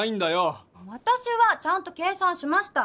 わたしはちゃんと計算しました。